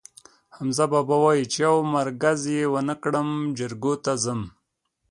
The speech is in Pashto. حمزه بابا وایي: چې یو مرگز یې ونه کړم، جرګو ته ځم.